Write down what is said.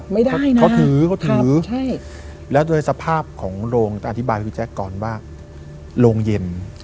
ไม่ได้นะเขาถือเขาถือใช่แล้วโดยสภาพของโรงจะอธิบายให้พี่แจ๊คก่อนว่าโรงเย็น